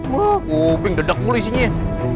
wah kuping dedek mulu isinya